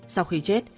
sau khi chết